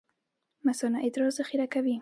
مثانه ادرار ذخیره کوي